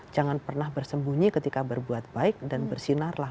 jangan pernah bersembunyi ketika berbuat baik dan bersinarlah